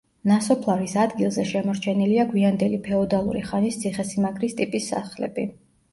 ნასოფლარის ადგილზე შემორჩენილია გვიანდელი ფეოდალური ხანის ციხესიმაგრის ტიპის სახლები.